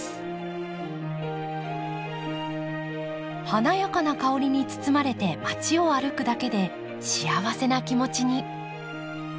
華やかな香りに包まれて街を歩くだけで幸せな気持ちに。